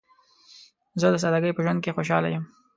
زه د سادګۍ په ژوند کې خوشحاله یم.